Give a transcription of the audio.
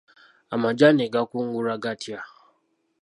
Amajaani gakungulwa gatya?